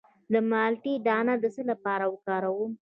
د مالټې دانه د څه لپاره وکاروم؟